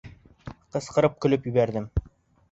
Ҡысҡырып көлөп ебәрҙем.